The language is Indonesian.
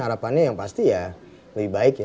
harapannya yang pasti ya lebih baik ya